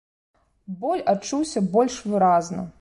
Боль адчуўся больш выразна.